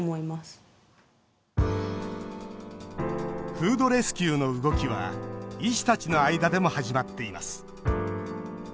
フードレスキューの動きは医師たちの間でも始まっています。